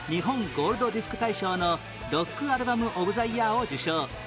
ゴールドディスク大賞のロック・アルバム・オブ・ザ・イヤーを受賞